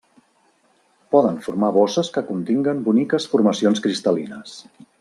Poden formar bosses que continguen boniques formacions cristal·lines.